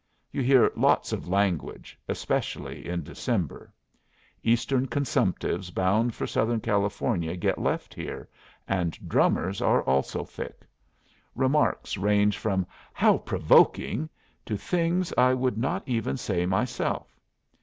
You hear lots of language, especially in December. Eastern consumptives bound for southern California get left here, and drummers are also thick. Remarks range from 'How provoking!' to things I would not even say myself.